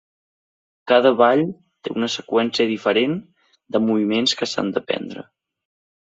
Cada ball té una seqüència diferent de moviments que s'han d'aprendre.